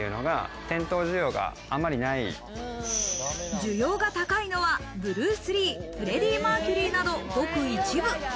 需要が高いのは、ブルース・リー、フレディ・マーキュリーなどごく一部。